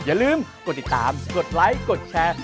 อย่าลืมกดติดตามกดไลค์กดแชร์